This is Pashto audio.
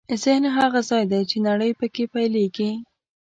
ذهن هغه ځای دی چې نړۍ پکې پیلېږي.